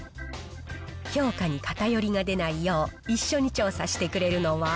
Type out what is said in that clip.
評価に偏りが出ないよう、一緒に調査してくれるのは。